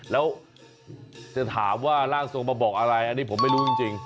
แล้วจะถามว่าร่างทรงมาบอกอะไรอันนี้ผมไม่รู้จริง